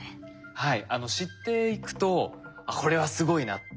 はい。